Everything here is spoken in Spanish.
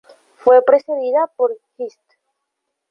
Fue precedida por "Hist.